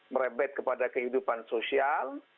merebet kepada kehidupan sosial